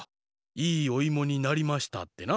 「いいおいもになりました」ってな。